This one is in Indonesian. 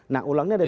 nah ulangnya ada dua